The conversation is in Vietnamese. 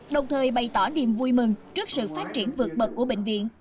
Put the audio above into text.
đồng thời bày tỏ niềm vui mừng trước sự phát triển vượt bậc của bệnh viện